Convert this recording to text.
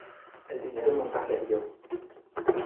El dinero nunca se halló.